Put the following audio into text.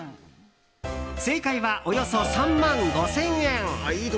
正解は、およそ３万５０００円。